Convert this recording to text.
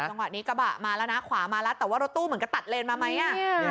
จังหวะนี้กระบะมาแล้วนะขวามาแล้วแต่ว่ารถตู้เหมือนกันตัดเลนมาไหม